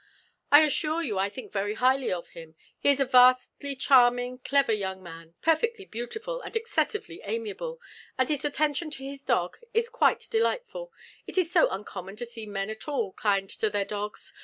"I assure you I think very highly of him. He is a vastly charming, clever young man perfectly beautiful, and excessively amiable; and his attention to his dog is quite delightful it is so uncommon to see men at all kind to their dogs.